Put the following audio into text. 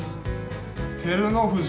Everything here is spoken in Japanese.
照ノ富士